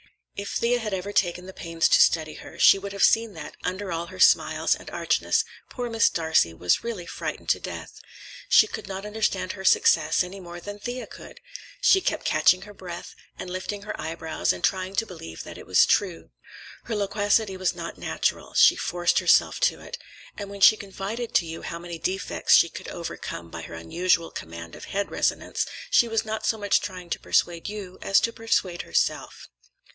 If Thea had ever taken the pains to study her, she would have seen that, under all her smiles and archness, poor Miss Darcey was really frightened to death. She could not understand her success any more than Thea could; she kept catching her breath and lifting her eyebrows and trying to believe that it was true. Her loquacity was not natural, she forced herself to it, and when she confided to you how many defects she could overcome by her unusual command of head resonance, she was not so much trying to persuade you as to persuade herself.